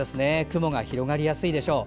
雲が広がりやすいでしょう。